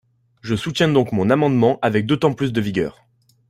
Je soutiens donc mon amendement avec d’autant plus de vigueur.